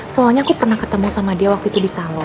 soalnya aku pernah ketemu sama dia waktu itu di solo